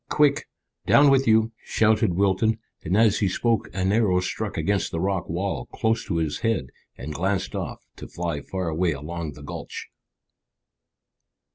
Quick! Down with you!" shouted Wilton, and as he spoke an arrow struck against the rocky wall close to his head and glanced off, to fly far away along the gulch.